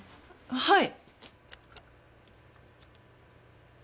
はい。